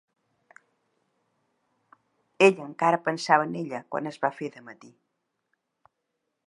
Ell encara pensava en ella quan es va fer de matí.